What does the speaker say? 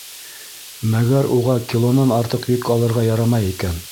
Мәгәр уға килонан артыҡ йөк алырға ярамай икән.